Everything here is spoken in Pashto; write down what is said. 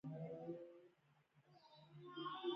ګلداد وویل: بس دوی لکه چې زما او ستا پسونو ته اېښې ده.